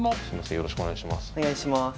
よろしくお願いします。